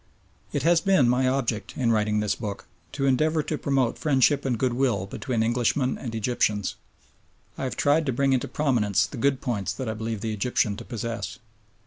It has been my object in writing this book to endeavour to promote friendship and goodwill between Englishmen and Egyptians. I have tried to bring into prominence the good points that I believe the Egyptian to possess.